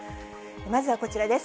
まずはこちらです。